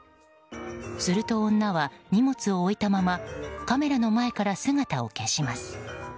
すると女は荷物を置いたままカメラの前から姿を消します。